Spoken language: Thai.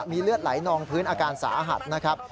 มีเลือดไหลนองพื้นอาการสาหัสนะครับ